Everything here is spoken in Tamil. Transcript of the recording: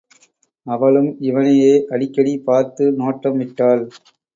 அவளும் இவனையே அடிக்கடி பார்த்து நோட்டம் விட்டாள்.